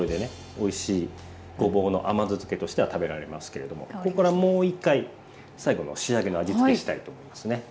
おいしいごぼうの甘酢漬けとしては食べられますけれどもこっからもう一回最後の仕上げの味付けしたいと思いますね。